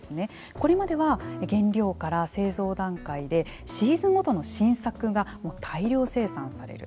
これまでは原料から製造段階でシーズンごとの新作が大量生産される。